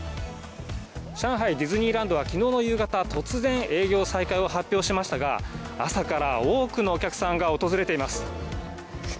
上海ディズニーランドは昨日の夕方突然、営業再開を発表しましたが朝から多くのお客さんが訪れています。